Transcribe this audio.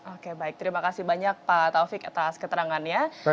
oke baik terima kasih banyak pak taufik atas keterangannya